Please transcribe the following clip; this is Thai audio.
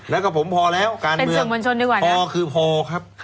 แล้วก็ผมพอแล้วการเมืองเป็นส่วนบนชนด้วยกว่าเนี้ยพอคือพอครับ